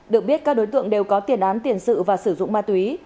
được biết các đối tượng đều có tiền án tiền sự và sử dụng ma túy